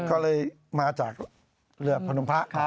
ก็เลยมาจากเรือพนมพระ